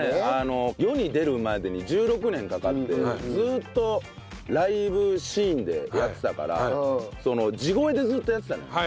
世に出るまでに１６年かかってずっとライブシーンでやってたから地声でずっとやってたの。